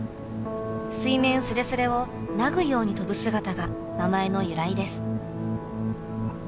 水面すれすれを薙ぐように飛ぶ姿が名前の由来です。